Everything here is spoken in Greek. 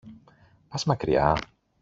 Πας μακριά;